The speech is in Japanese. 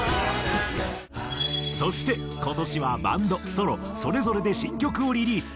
そして今年はバンドソロそれぞれで新曲をリリース。